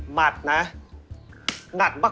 หัดนะหมัดมาก